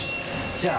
じゃあ。